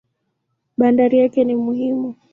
Bandari yake ni muhimu.